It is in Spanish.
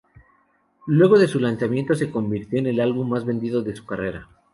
Luego de su lanzamiento, se convirtió en el álbum más vendido de su carrera.